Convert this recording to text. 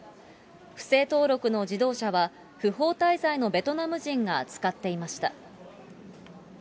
不正登録の自動車は、不法滞在のベトナム人が使っていました。